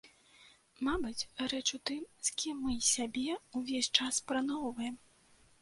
Мабыць, рэч у тым, з кім мы сябе ўвесь час параўноўваем.